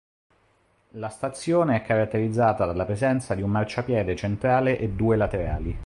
La stazione è caratterizzata dalla presenza di un marciapiede centrale e due laterali.